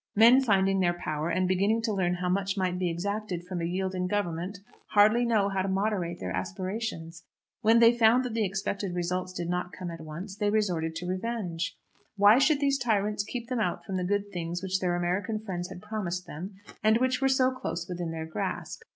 Men finding their power, and beginning to learn how much might be exacted from a yielding Government, hardly knew how to moderate their aspirations. When they found that the expected results did not come at once, they resorted to revenge. Why should these tyrants keep them out from the good things which their American friends had promised them, and which were so close within their grasp?